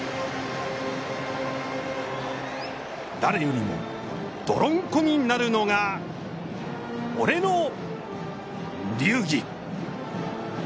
誰よりも泥んこになるのが俺の流儀！